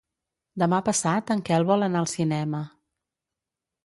Demà passat en Quel vol anar al cinema.